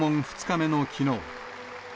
２日目のきのう。